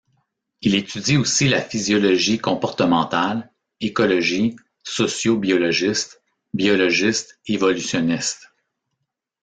Il étudie aussi la physiologie comportementale, écologie, socio biologiste, biologiste évolutionniste.